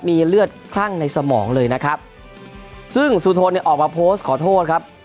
มีเลือดคลั่งในสมองเลยนะครับซึ่งสุทนเนี่ยออกมาโพสต์ขอโทษครับ